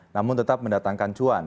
namun tetap mendatangkan cuan